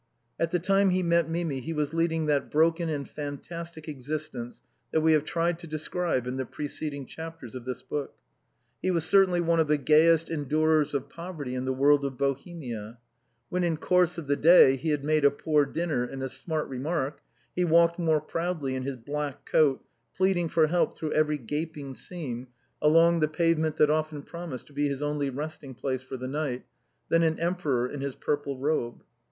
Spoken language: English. At the time he met Mimi he was leading that broken and fastastic existence that we have tried to describe in the preceding chapters of this book. He was certainly one of the gayest endurers of poverty in the world of Bohemia. When in course of the day he had made a poor dinner and a smart remark, he walked more proudly in his black coat (pleading for help through every gaping seam) along the pavement that often promised to be his only resting place for the night, than an emperor in his purple robe.